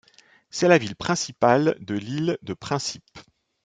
C'est la ville principale de l'île de Principe.